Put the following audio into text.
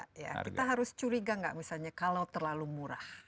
kita harus curiga nggak misalnya kalau terlalu murah